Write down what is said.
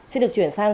xin được chuyển sang